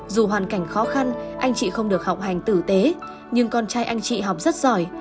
dù hoàn cảnh khó khăn anh chị không được học hành tử tế nhưng con trai anh chị học rất giỏi